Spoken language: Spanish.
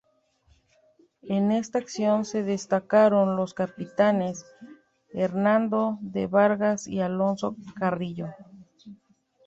En esta acción se destacaron los capitanes Hernando de Vargas y Alonso Carrillo.